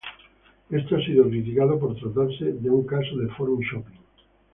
Esto ha sido criticado por tratarse de un caso de "forum shopping".